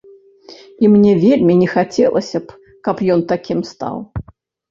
І мне вельмі не хацелася б, каб ён такім стаў.